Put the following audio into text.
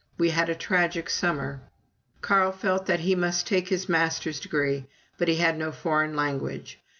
We had a tragic summer. Carl felt that he must take his Master's degree, but he had no foreign language.